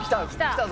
きた！